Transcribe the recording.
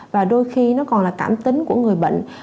và đôi khi nó còn là cảm tính của người bệnh